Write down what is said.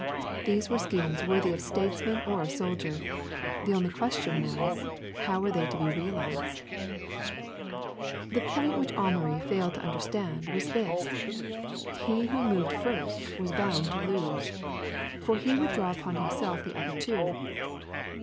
These were schemes worthy of statesman or of soldier. The only question was how were they to be realized? The point which Amaury failed to understand was this. He who moved first was bound to lose. For he would draw upon himself the other two.